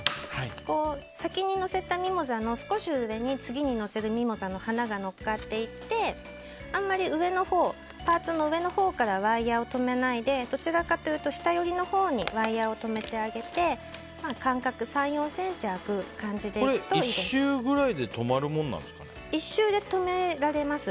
先に乗せたミモザの少し上に次に乗せるミモザの花が乗っかっていて、あんまりパーツの上のほうからワイヤを留めないでどちらかというと下寄りのほうにワイヤを止めてあげて間隔３４ｃｍ１周くらいで１周で留められます。